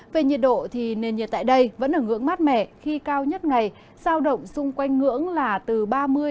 về nhiệt độ thì nền nhiệt tại đây vẫn ở ngưỡng mát mẻ khi cao nhất ngày sao động xung quanh ngưỡng là từ ba mươi đến ba mươi ba độ